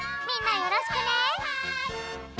みんなよろしくね。